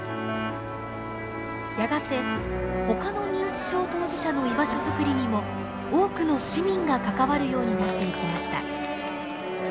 やがてほかの認知症当事者の居場所づくりにも多くの市民が関わるようになっていきました。